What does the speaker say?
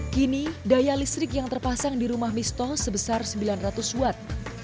kini daya listrik yang terpasang di rumah misto sebesar sembilan ratus watt